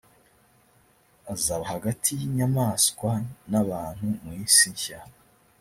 azaba hagati y inyamaswa n abantu mu isi nshya